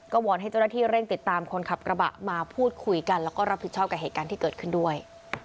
วอนให้เจ้าหน้าที่เร่งติดตามคนขับกระบะมาพูดคุยกันแล้วก็รับผิดชอบกับเหตุการณ์ที่เกิดขึ้นด้วย